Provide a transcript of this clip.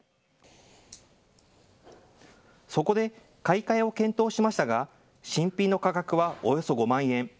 そこで買い替えを検討しましたが新品の価格はおよそ５万円。